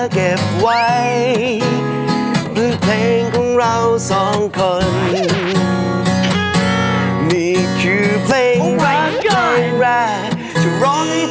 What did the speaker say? คือผมอยากจะรู้ว่าเพลงนี้เป็นเพราะหรือเป็นอะไรเนี่ย